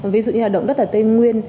ví dụ như là động đất ở tây nguyên